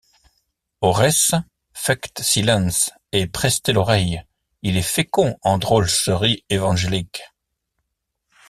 Ores, faictes silence et prestez l’aureille: il est fécond en drosleries évangelicques.